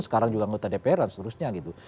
sekarang juga anggota dpr dan seterusnya gitu